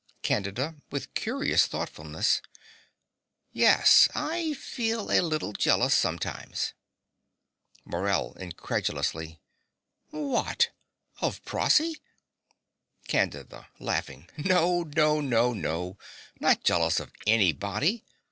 CANDIDA (with curious thoughtfulness). Yes, I feel a little jealous sometimes. MORELL (incredulously). What! Of Prossy? CANDIDA. No, no, no, no. Not jealous of anybody.